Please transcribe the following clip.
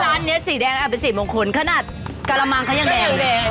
แน็ตคือว่าร้านนี้สีแดงน่ะเป็นสีมงคลขนาดกะละมังขนาดแย่งแดง